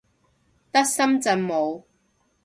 得深圳冇